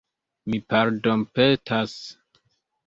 Mi pardonpetas!